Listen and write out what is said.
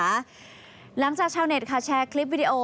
หลังจากชาวเน็ตค่ะแชร์คลิปวิดีโอ